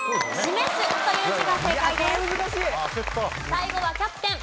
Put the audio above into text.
最後はキャプテン。